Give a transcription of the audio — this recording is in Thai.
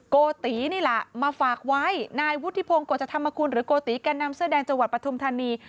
โกตินี่ล่ะมาฝากไว้นายวุฒิพงศ์กฎชธรรมคุณหรือโกติการนำเสื้อแดงจวดประทุมธนีย์